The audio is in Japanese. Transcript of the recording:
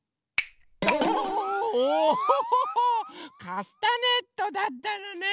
カスタネットだったのね。